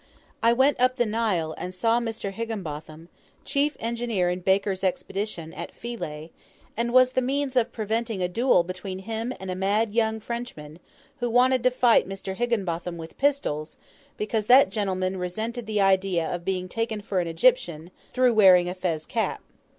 I went up the Nile and saw Mr. Higginbotham, chief engineer in Baker's Expedition, at Philae, and was the means of preventing a duel between him and a mad young Frenchman, who wanted to fight Mr. Higginbotham with pistols, because that gentleman resented the idea of being taken for an Egyptian, through wearing a fez cap.